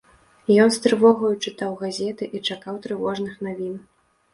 Ён з трывогаю чытаў газеты і чакаў трывожных навін.